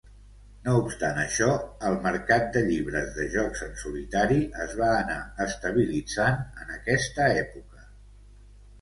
No obstant això, el mercat de llibres de jocs en solitari es va anar estabilitzant en aquesta època.